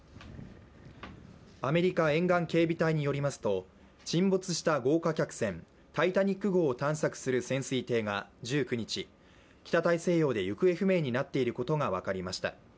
アメリカ沿岸警備隊によりますと沈没した豪華客船「タイタニック」号を探索する潜水艇が１９日、北大西洋で行方不明になっていることが分かりました。